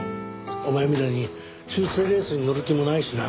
お前みたいに出世レースに乗る気もないしな。